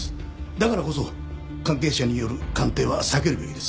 だからこそ関係者による鑑定は避けるべきです。